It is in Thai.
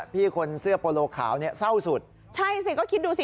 พี่คนเสื้อโปโลขาวเนี่ยเศร้าสุดใช่สิก็คิดดูสิ